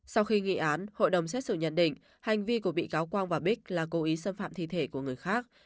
sau khi nghị án hội đồng xét xử nhận định hành vi của bị cáo quang và bích là cố ý xâm phạm thi thể của người khác